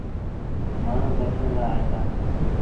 مآݩهون درشن لآ آئيٚتآ۔